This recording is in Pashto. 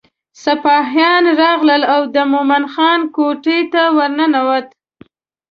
سپاهیان راغلل او د مومن خان کوټې ته ورننوته.